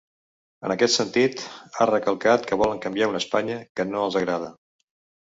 En aquest sentit, ha recalcat que volen canviar una Espanya “que no els agrada”.